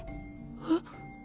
えっ。